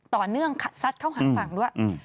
ต่อเนื่องซัดเข้าหาฝั่งด้วย